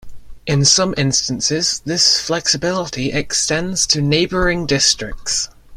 In some instances, this flexibility extends to neighbouring Districts.